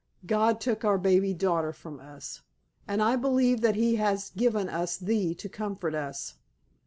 God took our baby daughter from us, and I believe that He has given us thee to comfort us.